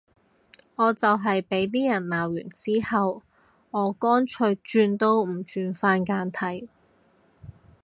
我就係畀啲人鬧完之後，我乾脆轉都唔轉返簡體